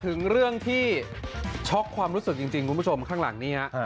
ถึงเรื่องที่ช็อกความรู้สึกจริงคุณผู้ชมข้างหลังนี่ฮะ